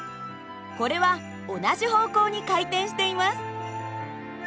これは同じ方向に回転しています。